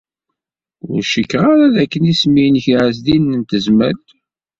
Ur cikkeɣ ara dakken isem-nnek Ɛezdin n Tezmalt.